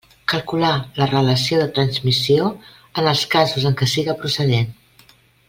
Calcular la relació de transmissió en els casos en què siga procedent.